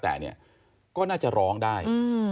แต่เนี่ยก็น่าจะร้องได้